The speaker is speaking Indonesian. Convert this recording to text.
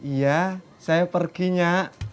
iya saya perginya